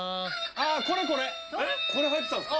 あこれこれえっこれ入ってたんですか？